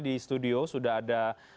di studio sudah ada